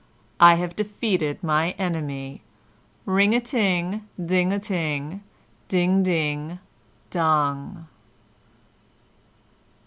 I have defeated my enemy! Ring a ting! ding a ting! ding ding dong!"